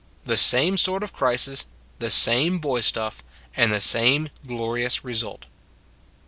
The same sort of crisis, the same boy stuff, and the same glorious result.